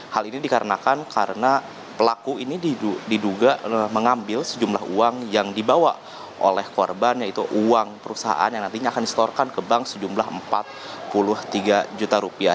hal ini dikarenakan karena pelaku ini diduga mengambil sejumlah uang yang dibawa oleh korban yaitu uang perusahaan yang nantinya akan disetorkan ke bank sejumlah empat puluh tiga juta rupiah